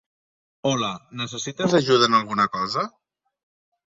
Hola, necessites ajuda en alguna cosa?